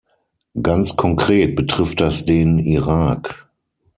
Ganz konkret betrifft das den Irak.